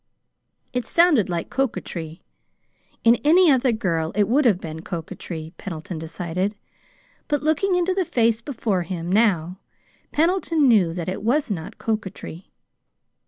It sounded like coquetry. In any other girl it would have been coquetry, Pendleton decided. But, looking into the face before him now, Pendleton knew that it was not coquetry.